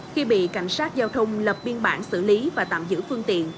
khi bị cảnh sát giao thông lập biên bản xử lý và tạm giữ phương tiện